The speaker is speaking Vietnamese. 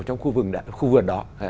trong khu vườn đó